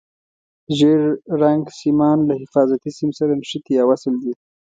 ژېړ رنګ سیمان له حفاظتي سیم سره نښتي یا وصل دي.